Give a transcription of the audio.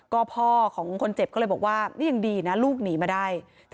ก็พ่อของคนเจ็บก็เลยบอกว่านี่ยังดีนะลูกหนีมาได้